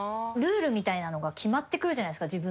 ルールみたいなのが決まってくるじゃないですか。